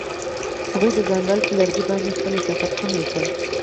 هغوی د ځنګل پر لرګي باندې خپل احساسات هم لیکل.